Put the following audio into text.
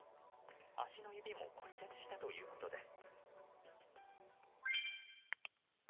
足の指も骨折したということです。